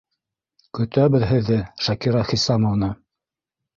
Көтәбеҙ һеҙҙе, Шакира Хисамовна!